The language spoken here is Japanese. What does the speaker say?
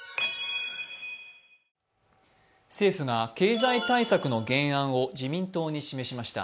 政府が経済対策の原案を自民党に示しました。